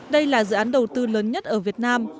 đây là dự án đầu tư lớn nhất ở việt nam